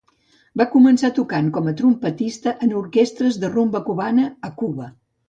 Va començar tocant, com a trompetista, en orquestres de rumba cubana a Cuba.